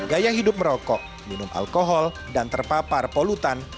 gaya hidup merokok minum alkohol dan terpapar polutan